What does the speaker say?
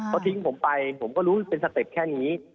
เขาทิ้งผมไปผมก็รู้เป็นสเต็ปแค่นี้